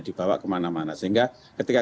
dibawa kemana mana sehingga ketika